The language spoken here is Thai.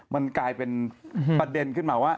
มันกลายเป็นประเด็นขึ้นมาว่า